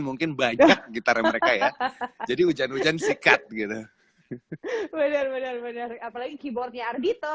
mungkin banyak gitar mereka ya jadi hujan hujan sikat gitu benar benar apalagi keyboardnya ardhito